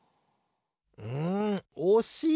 うんおしい！